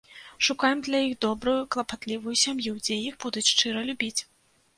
Шукаем для іх добрую клапатлівую сям'ю, дзе іх будуць шчыра любіць.